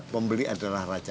pembeli adalah raja